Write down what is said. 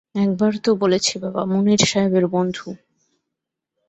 একবার তো বলেছি বাবা, মুনির সাহেবের বন্ধু।